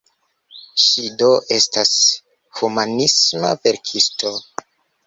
Ŝi do estas humanisma verkisto.